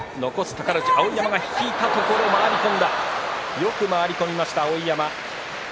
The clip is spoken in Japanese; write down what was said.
よく回り込みました碧山。